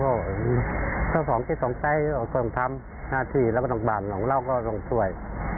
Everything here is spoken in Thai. โอ้โฮก็เท่าสองที่สองใจก็ต้องทำ๕นาทีแล้วก็ต้องบาป๒ลาวก็ต้องช่วย